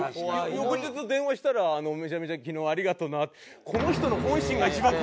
翌日電話したら「めちゃめちゃ昨日ありがとうな」って。